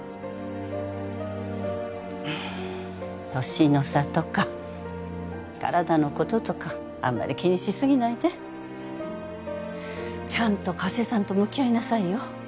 年の差とか体のこととかあんまり気にしすぎないでちゃんと加瀬さんと向き合いなさいよ